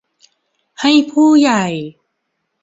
ให้ผู้ใหญ่